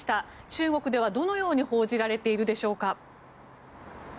中国ではどのように報じられているでしょうか。